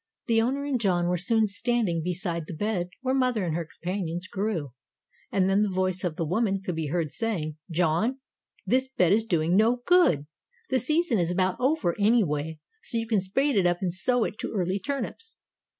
The owner and John were soon standing beside the bed where mother and her companions grew, and then the voice of the woman could be heard saying: 'John, this bed is doing no good. The season is about over, anyway, so you can spade it up and sow it to early turnips.